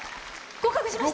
合格しました！